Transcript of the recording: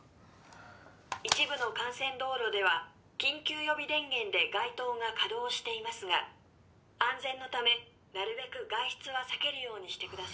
「一部の幹線道路では緊急予備電源で街灯が稼働していますが安全のためなるべく外出は避けるようにしてください」